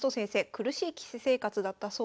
苦しい棋士生活だったそうです。